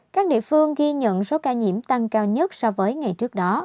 các địa phương ghi nhận số ca nhiễm tăng cao nhất so với ngày trước đó